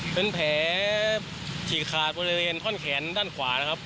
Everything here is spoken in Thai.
เป็นแผลถี่ขาดบริเวณข้อนแขนด้านขวา